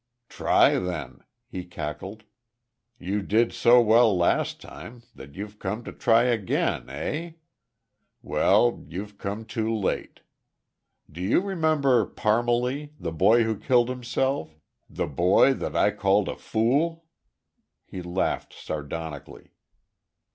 "Try, then," he cackled. "You did so well last time, that you've come to try again, eh? Well, you've come too late. Do you remember Parmalee the boy who killed himself? The boy that I called a fool?" He laughed, sardonically.